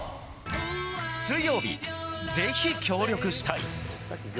水曜日ぜひ、協力したい。